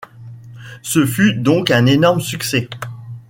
Ce fut donc un énorme succès.